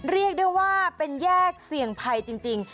เรียกได้ว่าเป็นแยกเสี่ยงภัยจริง